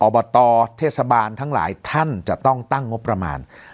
บตเทศบาลทั้งหลายท่านจะต้องตั้งงบประมาณ